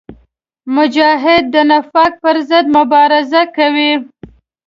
مجاهد د نفاق پر ضد مبارزه کوي.